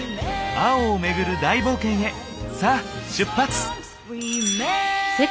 青をめぐる大冒険へさあ出発！